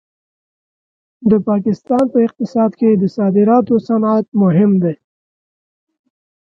د پاکستان په اقتصاد کې د صادراتو صنعت مهم دی.